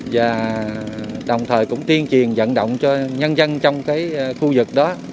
và đồng thời cũng tiên triền dẫn động cho nhân dân trong khu vực đó